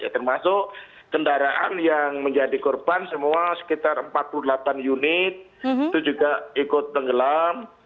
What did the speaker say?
termasuk kendaraan yang menjadi korban semua sekitar empat puluh delapan unit itu juga ikut tenggelam